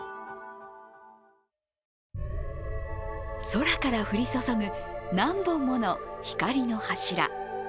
空から降り注ぐ何本もの光の柱。